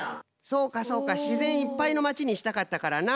そうかそうか自然いっぱいの町にしたかったからな。